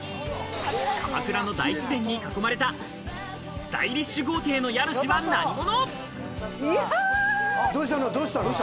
鎌倉の大自然に囲まれたスタイリッシュ豪邸の家主は何者？